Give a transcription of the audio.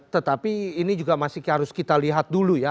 tetapi ini juga masih harus kita lihat dulu ya